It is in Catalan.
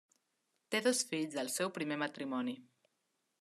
Té dos fills del seu primer matrimoni.